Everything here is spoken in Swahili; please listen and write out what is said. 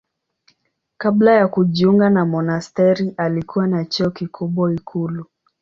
Kabla ya kujiunga na monasteri alikuwa na cheo kikubwa ikulu.